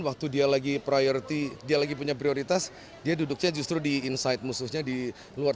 bikin kesalahan waktu dia lagi punya prioritas dia duduknya justru di inside musuhnya di luar